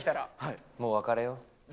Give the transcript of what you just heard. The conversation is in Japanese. もう別れよう。